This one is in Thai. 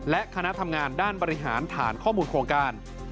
และคณะทำงานด้านบริหารฐานข้อมูลโครงการ